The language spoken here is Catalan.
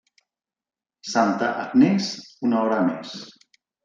Santa Agnés, una hora més.